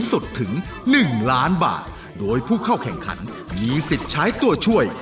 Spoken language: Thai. รายการต่อปีนี้เป็นรายการทั่วไปสามารถรับชมได้ทุกวัย